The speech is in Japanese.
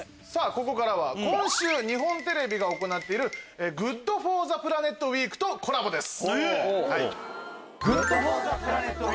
ここからは今週日本テレビが行っている「ＧｏｏｄＦｏｒｔｈｅＰｌａｎｅｔウィーク」とコラボです。